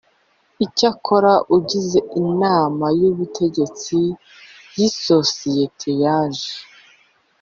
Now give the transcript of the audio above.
Icyakora ugize Inama y Ubutegetsi y isosiyete yaje